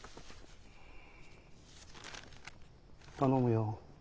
頼むよ。